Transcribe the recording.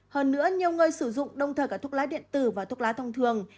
hơn nữa nhiều người sử dụng đồng thời cả thuốc lá điện tử và thuốc lá thông thường